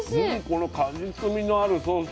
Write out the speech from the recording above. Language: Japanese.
この果実みのあるソース。